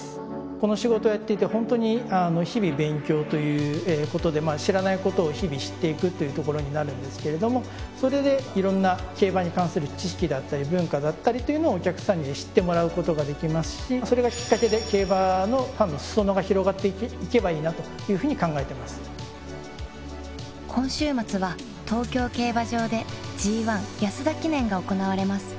この仕事をやっていてホントに日々勉強ということで知らないことを日々知っていくというところになるんですけどもそれでいろんな競馬に関する知識だったり文化だったりっていうのをお客さんに知ってもらうことができますしそれがきっかけで今週末は東京競馬場でＧⅠ安田記念が行われます